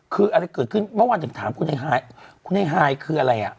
คืออะไรเกิดขึ้นเมื่อวานถึงถามคุณไอ้คุณไอ้ไฮคืออะไรอ่ะ